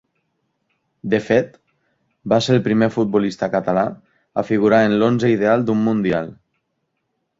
De fet, va ser el primer futbolista català a figurar en l'onze ideal d'un mundial.